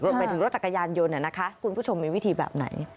ไปถึงรถจักรยานยนต์คุณผู้ชมมีวิธีแบบไหน